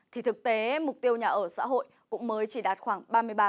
thì thực tế mục tiêu nhà ở xã hội cũng mới chỉ đạt khoảng ba mươi ba